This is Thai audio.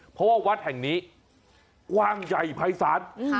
เพราะว่าวัดแห่งนี้กว้างใหญ่ภายศาล